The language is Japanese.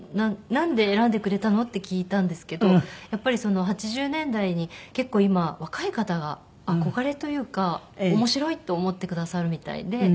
「なんで選んでくれたの？」って聞いたんですけどやっぱり８０年代に結構今若い方が憧れというか面白いと思ってくださるみたいで。